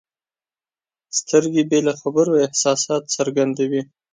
سترګې بې له خبرو احساسات څرګندوي.